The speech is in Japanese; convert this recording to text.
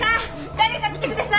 誰か来てください！